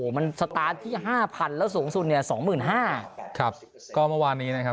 มันสตาร์ทที่ห้าพันแล้วสูงสุดเนี่ยสองหมื่นห้าครับก็เมื่อวานนี้นะครับ